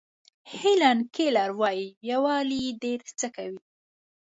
هیلن کیلر وایي یووالی ډېر څه کوي.